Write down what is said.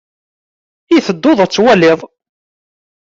I tedduḍ ad twaliḍ?